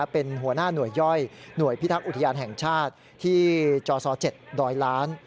เป็นหัวหน้าหน่วยย่อยหน่วยพิทักษ์อุทยานแห่งชาติที่จศ๗ดอยล้าน